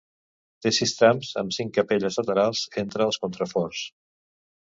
Té sis trams amb cinc capelles laterals entre els contraforts.